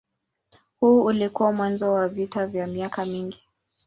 Huu ulikuwa mwanzo wa vita vya miaka mingi.